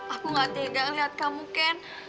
aku gak tega ngeliat kamu ken